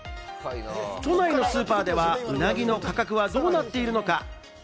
都内のスーパーでは、ウナギの価格はどうなっているのか？